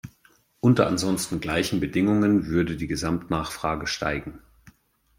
Unter ansonsten gleichen Bedingungen würde die Gesamtnachfrage steigen.